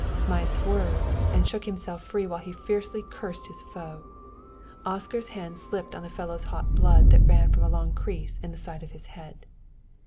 Zmai swerved and shook himself free while he fiercely cursed his foe. Oscar's hands slipped on the fellow's hot blood that ran from a long crease in the side of his head.